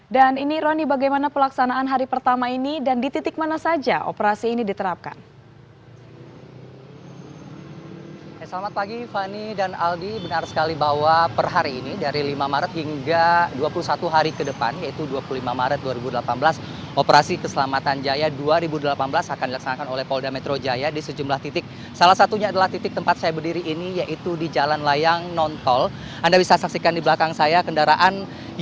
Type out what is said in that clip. dan ini roni bagaimana pelaksanaan hari pertama ini dan di titik mana saja operasi ini diterapkan